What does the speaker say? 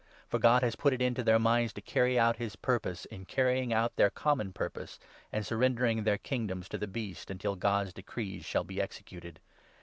For God has put it into their 17 minds to carry out his purpose, in carrying out their common purpose and surrendering their kingdoms to the Beast, until God's decrees shall be executed.